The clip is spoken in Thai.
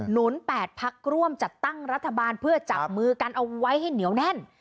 นุน๘พักร่วมจัดตั้งรัฐบาลเพื่อจับมือกันเอาไว้ให้เหนียวแน่น